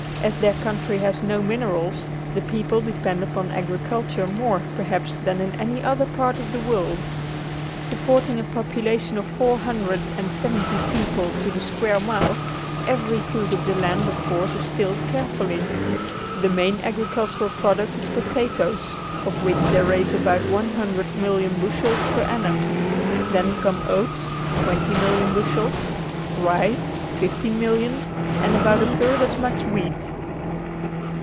As their country has no minerals, the people depend upon agriculture more perhaps than in any other part of the world. Supporting a population of four hundred and seventy people to the square mile, every foot of the land of course is tilled carefully. The main agricultural product is potatoes, of which they raise about one hundred million bushels per annum. Then come oats, twenty million bushels, rye, fifteen million and about a third as much wheat.